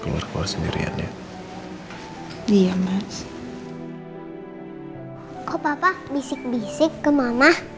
kok papa bisik bisik ke mama